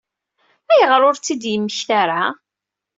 Ayɣer ur tt-id-yemmekta ara?